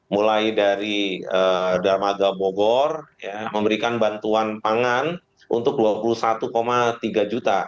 mulai dari darmaga bogor memberikan bantuan pangan untuk dua puluh satu tiga juta